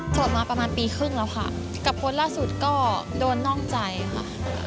สดมาประมาณปีครึ่งแล้วค่ะกับโพสต์ล่าสุดก็โดนนอกใจค่ะ